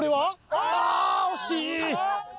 あ惜しい！